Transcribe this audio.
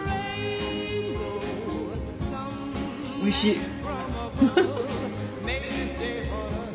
おいしい！